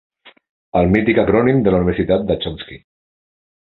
El mític acrònim de la universitat de Chomsky.